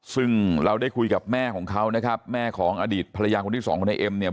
ซึ่งเราได้คุยกับแม่ของเขานะครับแม่ของอดีตภรรยาคนที่สองของนายเอ็มเนี่ย